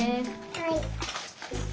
はい。